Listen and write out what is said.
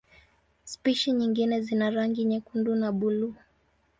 Spishi nyingine zina rangi nyekundu na buluu.